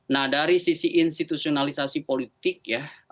nah dari sisi institusionalisasi politik ya